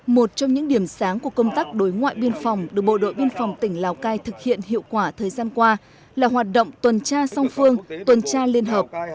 một trong những điểm sáng của công tác đối ngoại biên phòng được bộ đội biên phòng tỉnh lào cai thực hiện hiệu quả thời gian qua là hoạt động tuần tra song phương tuần tra liên hợp